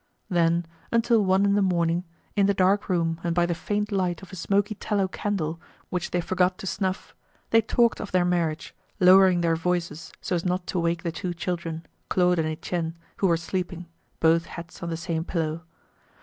Then until one in the morning, in the dark room and by the faint light of a smoky tallow candle which they forgot to snuff, they talked of their marriage, lowering their voices so as not to wake the two children, Claude and Etienne, who were sleeping, both heads on the same pillow.